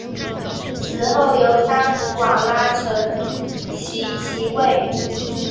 死后由沙图瓦拉承袭其位。